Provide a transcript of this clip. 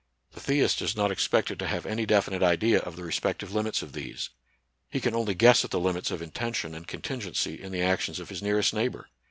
The theist is not expected to have any definite idea of the re spective limits of these. He can only guess at the limits of intention and contingency in the actions of his nearest neighbor.